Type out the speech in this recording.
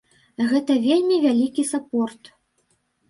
Гэта вельмі вялікі сапорт.